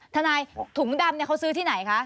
ทนายถุงดำเขาซื้อที่ไหนคะ